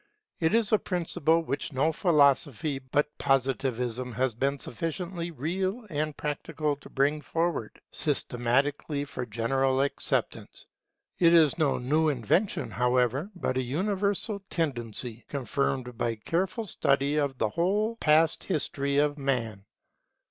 It is a principle which no philosophy but Positivism has been sufficiently real and practical to bring forward systematically for general acceptance. It is no new invention, however, but a universal tendency, confirmed by careful study of the whole past history of Man.